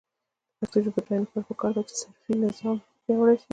د پښتو ژبې د بډاینې لپاره پکار ده چې صرفي نظام پیاوړی شي.